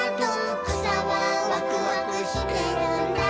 「くさはワクワクしてるんだ」